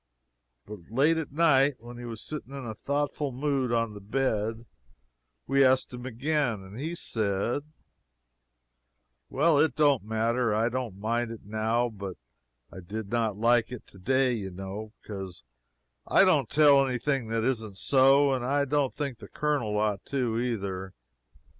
But late at night, when he was sitting in a thoughtful mood on the bed, we asked him again and he said: "Well, it don't matter; I don't mind it now, but I did not like it today, you know, because I don't tell any thing that isn't so, and I don't think the Colonel ought to, either.